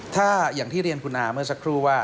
ถ้าอย่างที่เรียนคุณอาเมื่อสักครู่ว่า